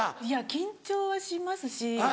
緊張しますし。